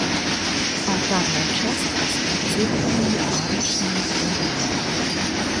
Алтарная частка з паўцыркульнымі арачнымі праёмамі.